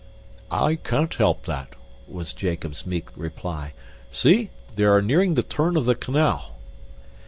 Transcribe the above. "I can't help that," was Jacob's meek reply. "See! they are nearing the turn of the canal."